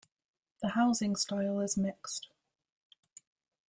The housing style is mixed.